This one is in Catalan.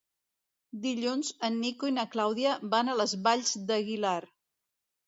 Dilluns en Nico i na Clàudia van a les Valls d'Aguilar.